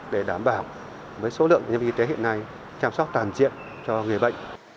để đảm bảo với số lượng nhân viên y tế hiện nay chăm sóc toàn diện cho người bệnh